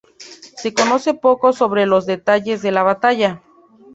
Se conoce poco sobre los detalles de la batalla.